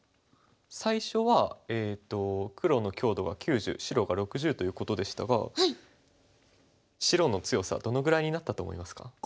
最初は黒の強度が９０白が６０ということでしたが白の強さはどのぐらいになったと思いますか？